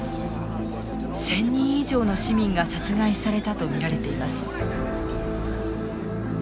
１，０００人以上の市民が殺害されたと見られています。